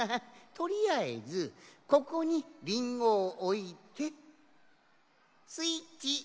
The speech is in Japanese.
とりあえずここにリンゴをおいてスイッチオン！